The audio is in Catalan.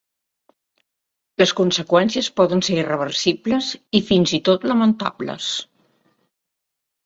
Les conseqüències poden ser irreversibles i, fins i tot, lamentables.